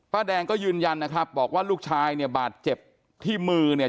แดงก็ยืนยันนะครับบอกว่าลูกชายเนี่ยบาดเจ็บที่มือเนี่ย